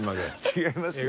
違います。